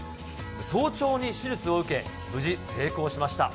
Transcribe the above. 早朝に手術を受け、無事成功しました。